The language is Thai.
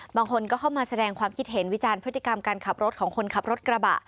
บางคนก็เข้ามาแสดงความคิดเห็นวิจารณ์พฤติกรรมการขับรถของคนขับรถกระบะ